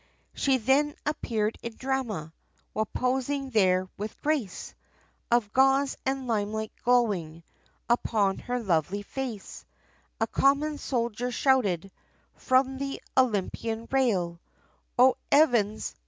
She then appeared in drama, While posing there, with grace Of gauze, and limelight glowing Upon her lovely face; A common soldier, shouted From the Olympian rail "O 'evans!"